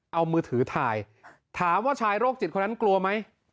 เอามือถือถ่ายถามว่าชายโรคจิตคนนั้นกลัวไหม